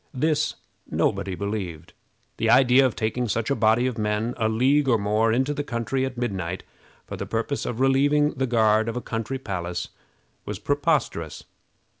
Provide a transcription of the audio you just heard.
This nobody believed. The idea of taking such a body of men a league or more into the country at midnight for the purpose of relieving the guard of a country palace was preposterous.